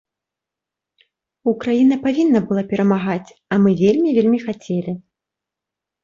Украіна павінна была перамагаць,а мы вельмі вельмі хацелі.